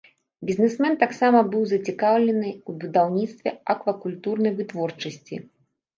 Бізнесмен таксама быў зацікаўлены ў будаўніцтве аквакультурнай вытворчасці.